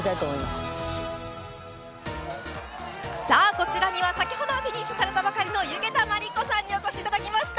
こちらには先ほどフィニッシュされたばかりの弓削田眞理子さんにお越しいただきました。